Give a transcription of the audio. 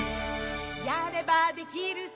「やればできるさ